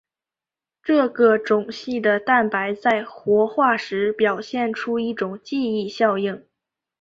这个种系的蛋白在活化时表现出一种记忆效应。